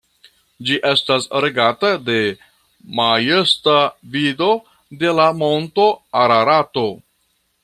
Ĝi estas regata de majesta vido de la monto Ararato.